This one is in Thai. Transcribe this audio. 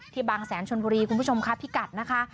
บางแสนชนบุรีคุณผู้ชมค่ะพิกัดนะคะ